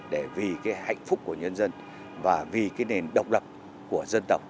để vì hạnh phúc của nhân dân và vì nền độc lập của dân tộc